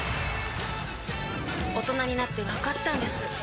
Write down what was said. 大人になってわかったんです